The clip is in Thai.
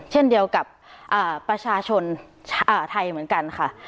เช่นเดียวกับประชาชนไทยเหมือนกันค่ะ